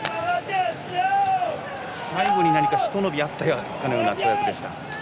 最後に、ひと伸びあったような跳躍でした。